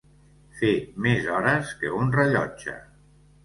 Fer més hores que un rellotge.